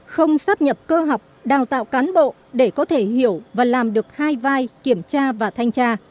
không sắp nhập cơ học đào tạo cán bộ để có thể hiểu và làm được hai vai kiểm tra và thanh tra